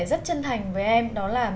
rất chân thành với em đó là